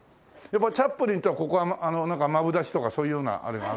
チャップリンとここはなんかマブダチとかそういうようなあれがあるの？